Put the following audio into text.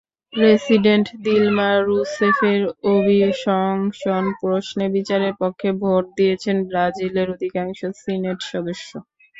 President Dilma রুসেফের অভিশংসন প্রশ্নে বিচারের পক্ষে ভোট দিয়েছেন ব্রাজিলের অধিকাংশ সিনেট সদস্য।